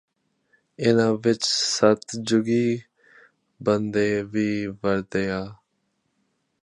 ਇੰਨ੍ਹਾਂ ਵਿਚ ਸਤਜੁਗੀ ਬੰਦੇ ਵੀ ਵਸਦੇ ਐ